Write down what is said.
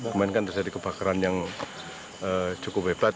kemarin kan terjadi kebakaran yang cukup hebat